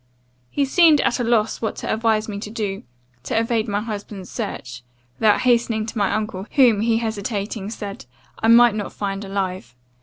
He seemed at a loss what to advise me to do, to evade my husband's search, without hastening to my uncle, whom, he hesitating said, I might not find alive.